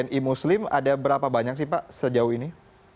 wni muslim ada berapa banyak sih pak sejauh ini